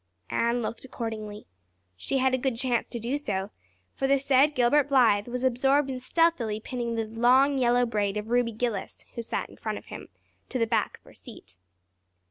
Anne looked accordingly. She had a good chance to do so, for the said Gilbert Blythe was absorbed in stealthily pinning the long yellow braid of Ruby Gillis, who sat in front of him, to the back of her seat.